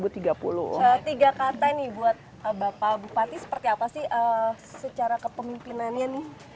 tiga kata nih buat bapak bupati seperti apa sih secara kepemimpinannya nih